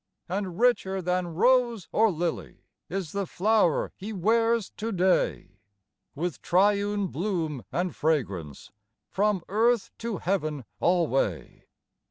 And richer than rose or lily Is the flower he wears today, With triune bloom and fragrance From earth to heaven alway.